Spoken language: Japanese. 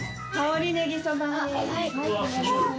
はい。